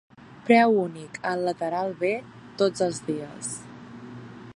Preu únic al lateral B tots els dies